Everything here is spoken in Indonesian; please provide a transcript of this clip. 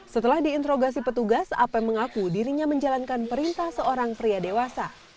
setelah diinterogasi petugas ap mengaku dirinya menjalankan perintah seorang pria dewasa